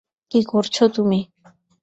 কী করছো তুমি?